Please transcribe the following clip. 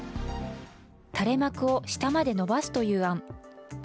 垂れ幕を下まで伸ばすという案。